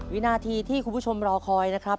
วินาทีที่คุณผู้ชมรอคอยนะครับ